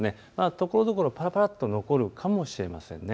ところどころぱらぱらと残るかもしれません。